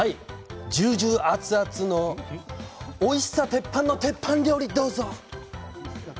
ジュージュー熱々のおいしさ鉄板のあの料理をどうぞ。